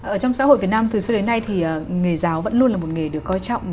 ở trong xã hội việt nam từ xưa đến nay thì nghề giáo vẫn luôn là một nghề được coi trọng